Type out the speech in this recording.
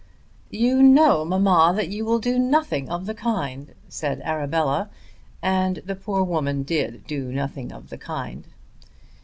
"You know, mamma, that you will do nothing of the kind," said Arabella. And the poor woman did do nothing of the kind.